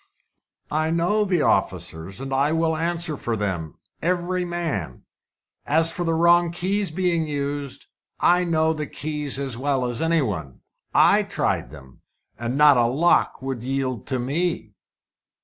"I know the officers, and I will answer for them, every man. As for the wrong keys being used, I know the keys as well as any one. I tried them, and not a lock would yield to me."